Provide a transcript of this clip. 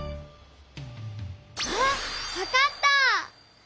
あっわかった！